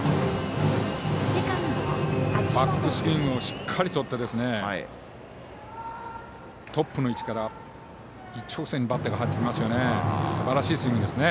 バックをしっかりとってトップの位置から一直線にバットが入ってきますよね。